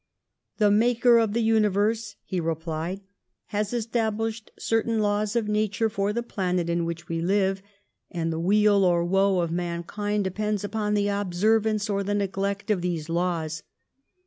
The Maker of the Universe [he replied] has estahlished certain law» of nature for the planet in which we live, and the weal or woe of man kind depends npon the ohserranoe or the neglect of these laws.